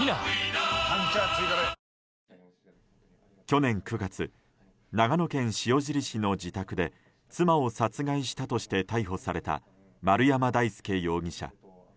去年９月長野県塩尻市の自宅で妻を殺害したとして逮捕された丸山大輔容疑者。